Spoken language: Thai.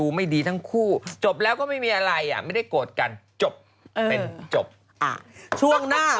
จริงแล้วผู้หญิงคนนั้นล่ะ